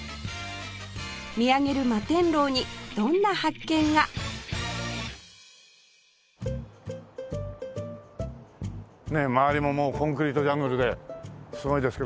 見上げる摩天楼にどんな発見が？ねえ周りももうコンクリートジャングルですごいですけど。